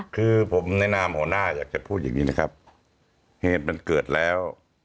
คือผมแนะนำหัวหน้าอยากจะพูดอย่างนี้นะครับเหตุมันเกิดแล้ว